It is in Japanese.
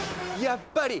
やっぱり！